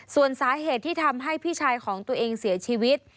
ส่วนสาเหตุที่ทำให้พี่ชายของตัวเองเสียชีวิต